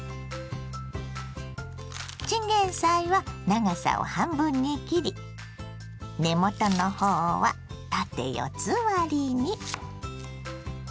チンゲンサイは長さを半分に切り根元の方は縦四つ割りに。